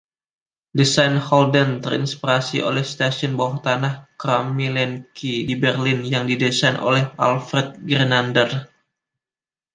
Desain Holden terinspirasi oleh stasiun bawah tanah "Krumme Lanke" di Berlin yang didesain oleh Alfred Grenander.